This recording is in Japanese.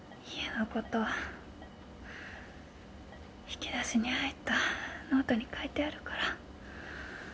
家のこと引き出しに入ったノートに書いてあるから。